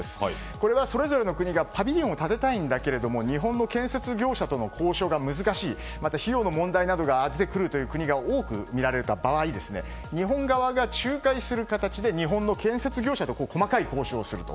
これは、それぞれの国がパビリオンを建てたいけど日本の建設業者との交渉が難しいまた、費用の問題などが出てくるという国が多く見られた場合日本側が仲介する形で日本の建設業者と細かい交渉をすると。